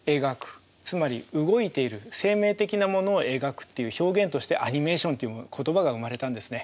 つまり動いている生命的なものを描くっていう表現としてアニメーションという言葉が生まれたんですね。